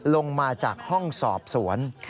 ลงมาจากห้องสอบสวน